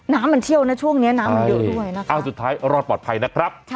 น้ำมันเชี่ยวนะช่วงนี้น้ำมันเยอะด้วยนะคะอ้าวสุดท้ายรอดปลอดภัยนะครับ